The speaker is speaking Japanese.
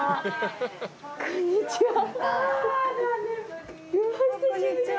こんにちは。